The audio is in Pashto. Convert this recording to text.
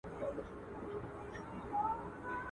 o سر که ولاړ سي، عادت نه ځي.